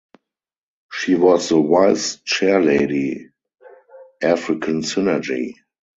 She was the vice chair Lady African Synergy.